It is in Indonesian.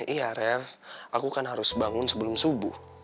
iya ref aku kan harus bangun sebelum subuh